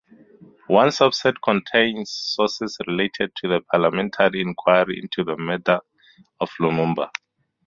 One subset contains sources related to the parliamentary inquiry into the murder of Lumumba.